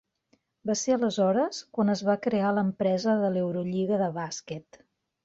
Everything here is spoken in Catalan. Va ser aleshores quan es va crear l'empresa de l'Eurolliga de bàsquet.